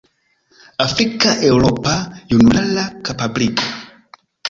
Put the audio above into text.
"Afrika-Eŭropa junulara kapabligo".